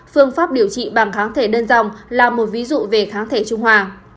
phương pháp điều trị bằng kháng thể đơn dòng là một ví dụ về kháng thể trung hòa